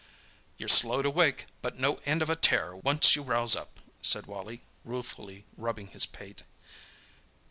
"You're slow to wake, but no end of a terror when once you rouse up," said Wally, ruefully rubbing his pate.